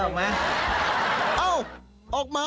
โอ้โฮยายออกมา